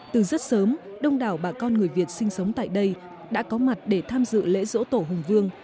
từ rất sớm đông đảo bà con người việt sinh sống tại đây đã có mặt để tham dự lễ dỗ tổ hùng vương